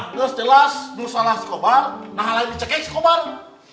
mas kamu salah si kobang nah yang lain cekik si kobang